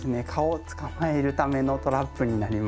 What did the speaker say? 蚊を捕まえるためのトラップになります。